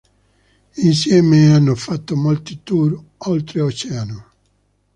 Insieme hanno fatto molti tour oltreoceano.